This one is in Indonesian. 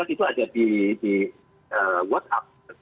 itu ada di whatsapp